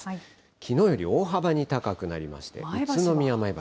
きのうより大幅に高くなりまして、宇都宮、前橋。